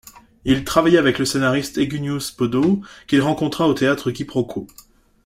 Il travailla avec le scénariste Eugeniusz Bodo qu'il rencontra au théâtre Qui Pro Quo.